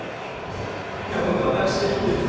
本当私でいいんですか？